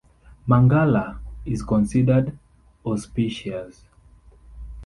"Mangala" is considered auspicious.